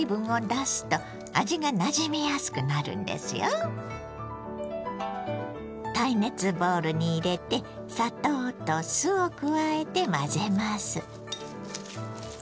軽く絞り耐熱ボウルに入れて砂糖と酢を加えて混ぜます。